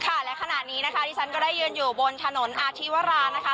ค่ะและขณะนี้นะคะที่ฉันก็ได้ยืนอยู่บนถนนอาชีวรานะคะ